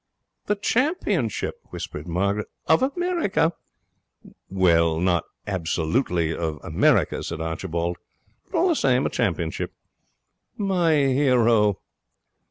'The championship!' whispered Margaret. 'Of America?' 'Well, not absolutely of America,' said Archibald. 'But all the same, a championship.' 'My hero.'